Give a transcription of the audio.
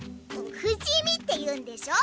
ふじみっていうんでしょ？